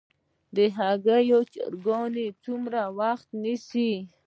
د هګیو چرګان څومره وخت نیسي؟